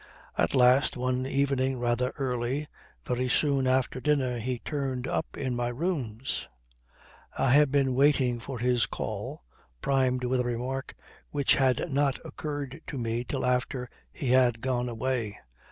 At last, one evening rather early, very soon after dinner, he turned up in my rooms. I had been waiting for his call primed with a remark which had not occurred to me till after he had gone away.